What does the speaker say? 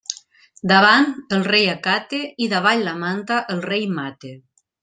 Davant el rei acate i davall la manta el rei mate.